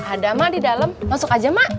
ada mak di dalam masuk aja mak